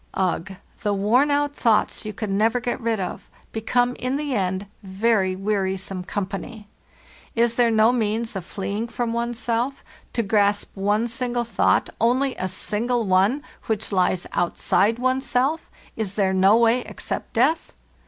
Ugh! the worn out thoughts you can never get rid of become in the end very wearisome company. Is there no means of fleeing from one's self, to grasp one single thought — only a single one, which lies outside one's self —is there no way except death?